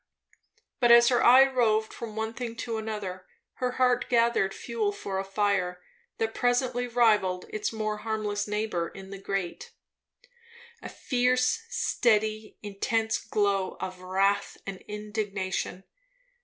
But as her eye roved from one thing to another, her heart gathered fuel for a fire that presently rivalled its more harmless neighbour in the grate; a fierce, steady, intense glow of wrath and indignation.